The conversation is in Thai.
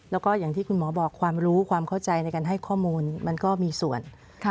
แล้วก็อย่างที่คุณหมอบอกความรู้ความเข้าใจในการให้ข้อมูลมันก็มีส่วน